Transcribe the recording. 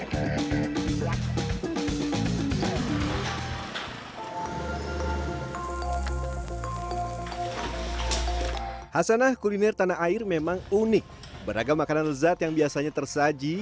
hai hasanah kuliner tanah air memang unik beragam makanan lezat yang biasanya tersaji